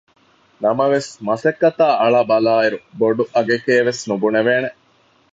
ނަމަވެސް މަސައްކަތާ އަޅާބަލާއިރު ބޮޑު އަގެކޭ ވެސް ނުބުނެވޭނެ